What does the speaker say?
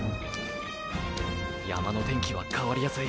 山の天気は変わりやすい。